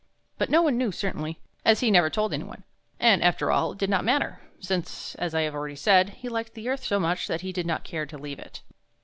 But no one knew certainly, as he never told any one; and, after all, it did not matter, since, as I have already said, he liked the earth so much that he did not care to leave it.